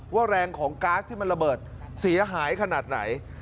ว่าแรงของก๊าซที่มันระเบิดเสียหายขนาดไหน